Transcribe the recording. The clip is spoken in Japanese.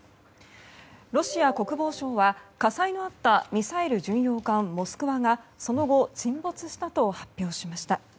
ロシア国防省は火災のあったミサイル巡洋艦「モスクワ」がその後沈没したと発表しました。